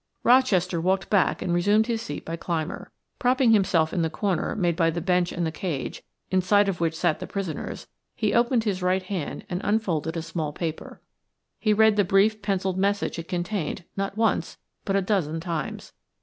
Rochester walked back and resumed his seat by Clymer. Propping himself in the corner made by the bench and the cage, inside of which sat the prisoners, he opened his right hand and unfolded a small paper. He read the brief penciled message it contained not once but a dozen times.